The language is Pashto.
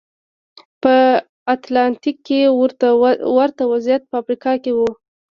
په اتلانتیک کې ورته وضعیت په افریقا کې و.